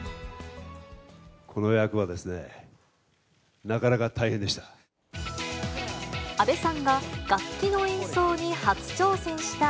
この役はですね、なかなか大変でした。